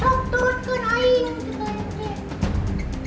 sob turutkan aing